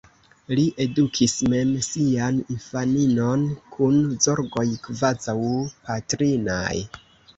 Li edukis mem sian infaninon, kun zorgoj kvazaŭ patrinaj.